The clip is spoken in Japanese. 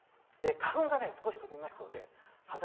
花粉が少し飛びますので「はな」